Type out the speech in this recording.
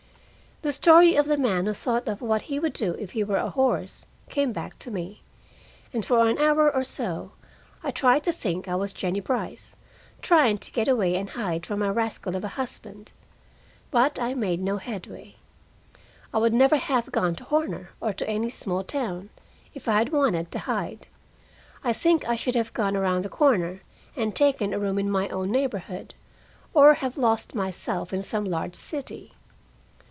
The story of the man who thought of what he would do if he were a horse, came back to me, and for an hour or so I tried to think I was Jennie Brice, trying to get away and hide from my rascal of a husband. But I made no headway. I would never have gone to Horner, or to any small town, if I had wanted to hide. I think I should have gone around the corner and taken a room in my own neighborhood, or have lost myself in some large city.